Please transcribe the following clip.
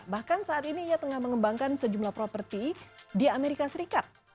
bahkan saat ini ia tengah mengembangkan sejumlah properti di amerika serikat